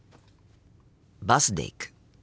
バスで行く。